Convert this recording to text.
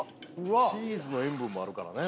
チーズの塩分もあるからね。